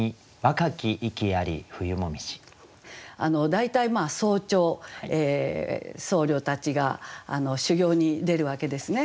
大体早朝僧侶たちが修行に出るわけですね。